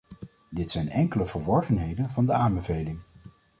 Dit zijn enkele verworvenheden van de aanbeveling.